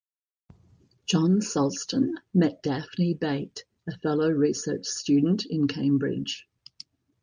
John Sulston met Daphne Bate, a fellow research student in Cambridge.